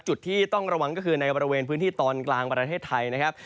จุดที่ต้องระวังก็คือในบริเวณพื้นที่ตอนกลางประเทศไทยนะครับ